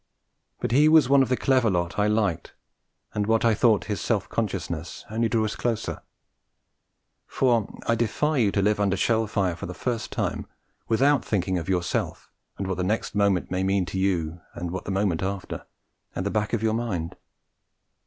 But he was one of the clever lot I liked, and what I thought his self consciousness only drew us closer; for I defy you to live under shell fire, for the first time, without thinking of yourself, and what the next moment may mean to you and what the moment after at the back of your mind.